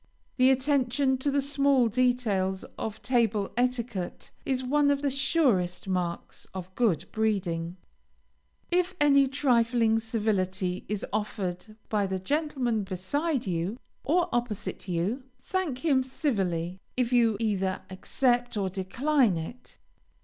The attention to the small details of table etiquette is one of the surest marks of good breeding. If any trifling civility is offered by the gentleman beside you, or opposite to you, thank him civilly, if you either accept or decline it.